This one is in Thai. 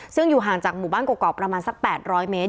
ซึ่งอยู่ห่างจากหมู่บ้านกรอกประมาณสัก๘๐๐เมตร